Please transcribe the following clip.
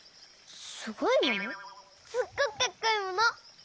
すっごくかっこいいもの！